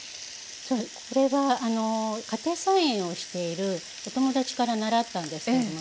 これは家庭菜園をしているお友達から習ったんです。